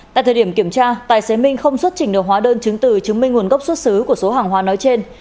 tại thời điểm kiểm tra tài xế minh không xuất trình được hóa đơn chứng từ chứng minh nguồn gốc xuất xứ của số hàng hóa nói trên